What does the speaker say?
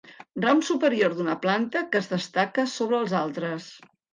Ram superior d'una planta que es destaca sobre els altres.